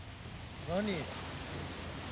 何？